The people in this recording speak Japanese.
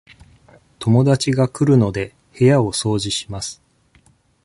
友達が来るので、部屋を掃除します。